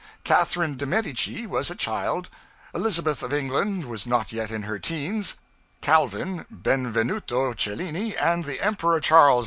Catherine de Medici was a child; Elizabeth of England was not yet in her teens; Calvin, Benvenuto Cellini, and the Emperor Charles V.